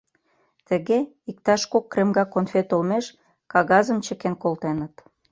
Тыге иктаж кок кремга конфет олмеш кагазым чыкен колтеныт.